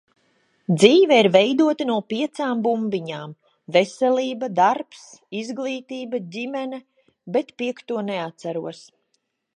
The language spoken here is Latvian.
Dzīve ir veidota no piecām bumbiņām - veselība, darbs, izglītība, ģimene, bet piekto neatceros.